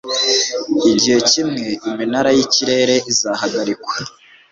igihe kimwe iminara yikirere izahagarikwa